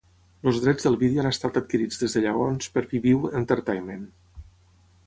Els drets del vídeo han estat adquirits des de llavors per Viviu Entertainment.